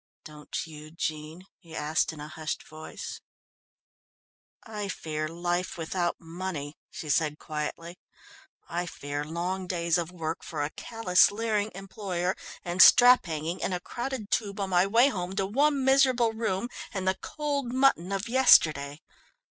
"Don't you, Jean?" he asked in a hushed voice. "I fear life without money," she said quietly. "I fear long days of work for a callous, leering employer, and strap hanging in a crowded tube on my way home to one miserable room and the cold mutton of yesterday.